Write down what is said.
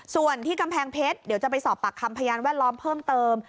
ส่วนที่กำแพงเพชรเดี๋ยวจะไปสอบปากคำพยานแวดล้อมเพิ่มเติม